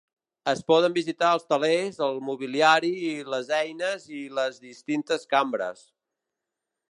Es poden visitar els telers, el mobiliari, les eines i les distintes cambres.